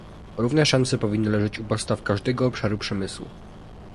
Równe szanse powinny leżeć u podstaw każdego obszaru przemysłu